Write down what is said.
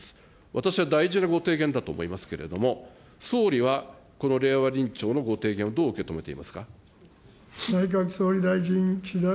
私は大事なご提言だと思いますけれども、総理はこの令和臨調のご提言をどう受け止めていますか。